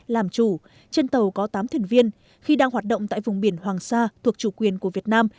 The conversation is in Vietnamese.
làm chủ trên tàu có tám thuyền viên khi đang hoạt động tại vùng biển hoàng sa thuộc chủ quyền của việt nam